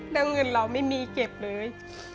แล้วเงินเราไม่มีเก็บเลย